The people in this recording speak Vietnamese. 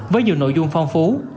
với nhiều nội dung phong phú